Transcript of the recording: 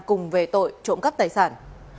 cùng về tội trộm cắp tài sản